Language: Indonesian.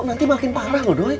nanti makin parah loh doy